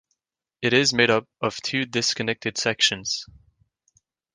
It is made up of two disconnected sections.